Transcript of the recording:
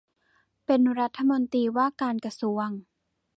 เป็นรัฐมนตรีว่าการกระทรวง